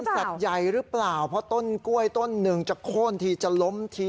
สัตว์ใหญ่หรือเปล่าเพราะต้นกล้วยต้นหนึ่งจะโค้นทีจะล้มที